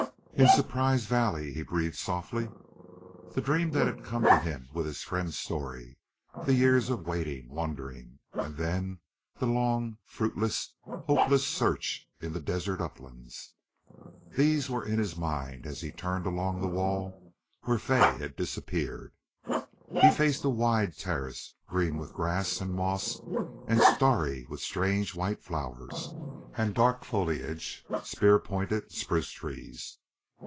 "In Surprise Valley!" he breathed, softly. The dream that had come to him with his friend's story, the years of waiting, wondering, and then the long, fruitless, hopeless search in the desert uplands these were in his mind as he turned along the wall where Fay had disappeared. He faced a wide terrace, green with grass and moss and starry with strange white flowers, and dark foliaged, spear pointed spruce trees.